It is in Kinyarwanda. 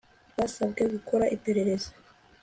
Twasabwe gukora iperereza